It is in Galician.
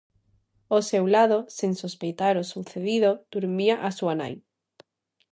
Ao seu lado, sen sospeitar o sucedido, durmía a súa nai.